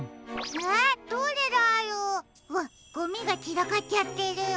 うわっゴミがちらかっちゃってるよ。